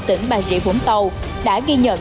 tỉnh bà rịa vũng tàu đã ghi nhận